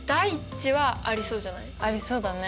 ありそうだね。